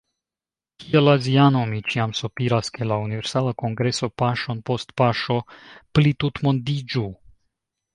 Kiel aziano mi ĉiam sopiras ke la Universala Kongreso paŝon post paŝo plitutmondiĝu.